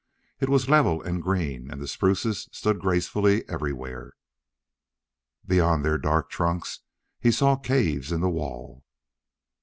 It was level and green and the spruces stood gracefully everywhere. Beyond their dark trunks he saw caves in the wall.